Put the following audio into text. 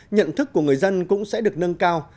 nhận thức của người dân cũng sẽ được nâng cao